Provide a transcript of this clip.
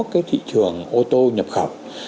cái thị trường ô tô nhập khẩu